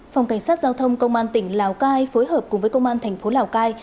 phòng cảnh sát giao thông công an tỉnh lào cai phối hợp cùng với công an thành phố lào cai